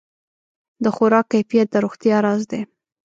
د خوراک کیفیت د روغتیا راز دی.